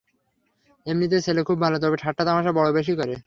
এমনিতে ছেলে খুব ভালো, তবে ঠাট্টা-তামাশা বড় বেশি করে।